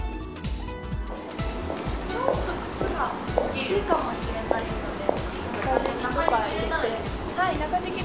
ちょっと靴が大きいかもしれないので。